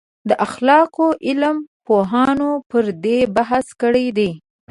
د اخلاقو علم پوهانو پر دې بحث کړی دی.